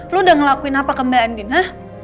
lo udah ngelakuin apa ke mbak andin ha